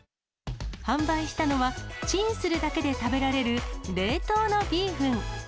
販売したのは、チンするだけで食べられる冷凍のビーフン。